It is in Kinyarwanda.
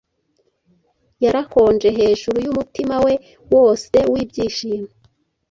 yarakonje hejuru yumutima we wose wibyishimo.